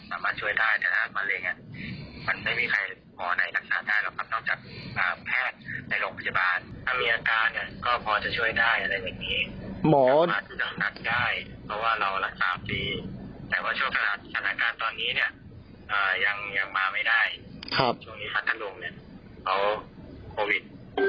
อ่ายังยังมาไม่ได้ครับช่วงนี้ขัดขนลงเนี่ยเขาโควิด